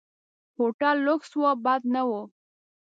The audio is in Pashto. هوټل لکس و، بد نه و.